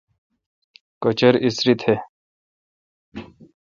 کُچَر اسری تھہ۔